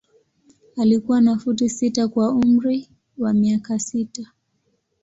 Alikuwa na futi sita kwa umri wa miaka sita.